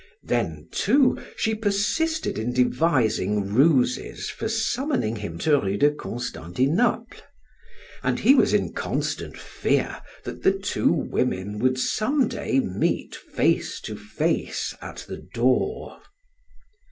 Then, too, she persisted in devising ruses for summoning him to Rue de Constantinople, and he was in constant fear that the two women would some day meet face to face at the door.